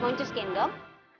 mau cuskin dong